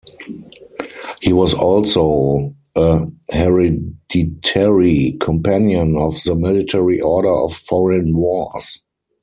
He was also a hereditary companion of the Military Order of Foreign Wars.